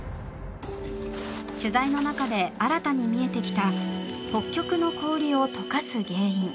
取材の中で新たに見えてきた北極の氷を解かす原因。